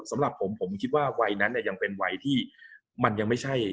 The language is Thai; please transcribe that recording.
สำหรับผมผมคิดว่าวัยนั้นเนี่ยยังเป็นวัยที่มันยังไม่ใช่